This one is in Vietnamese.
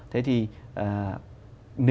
thế thì nếu như chúng tôi